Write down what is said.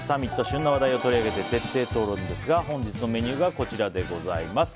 旬な話題を取り上げて徹底討論ですが本日のメニューはこちらです。